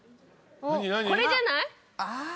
これじゃない？